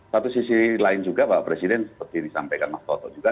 satu sisi lain juga pak presiden seperti disampaikan mas toto juga